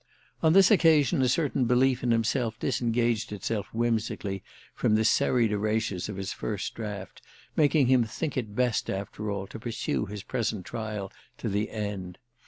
On this occasion a certain belief in himself disengaged itself whimsically from the serried erasures of his first draft, making him think it best after all to pursue his present trial to the end.